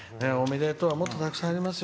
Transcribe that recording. もっとたくさんありますよ